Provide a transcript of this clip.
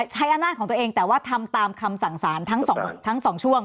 ใช้อำนาจของตัวเองแต่ว่าทำตามคำสั่งสารทั้ง๒ช่วง